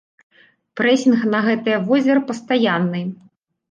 Прэсінг на гэтае возера пастаянны.